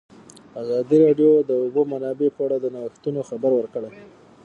ازادي راډیو د د اوبو منابع په اړه د نوښتونو خبر ورکړی.